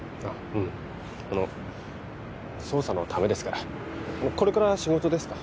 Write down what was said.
うんあの捜査のためですからこれから仕事ですか？